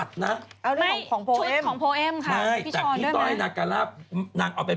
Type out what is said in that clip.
เข้าใจทางไหน